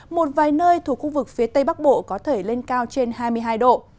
một vài nơi thuộc khu vực phía tây bắc bộ có thể lên cao trên hai mươi hai độ